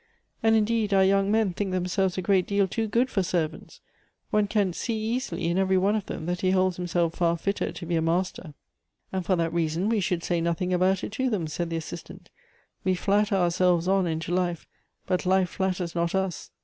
And, indeed, our young men think themselves a great deal too good for servants. One can see easily, in every one of them, that he holds himself far fitter to be a mas ter." " And for that reason we should say nothing about it to them," said the Assistant. " We flatter ourselves on into life ; but life flatters not us.